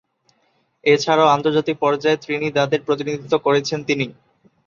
এছাড়াও আন্তর্জাতিক পর্যায়ে ত্রিনিদাদের প্রতিনিধিত্ব করেছেন তিনি।